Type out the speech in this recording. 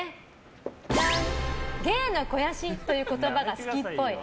芸の肥やしという言葉が好きっぽい。